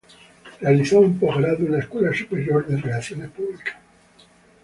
Realizó un posgrado en la Escuela Superior de Relaciones Públicas.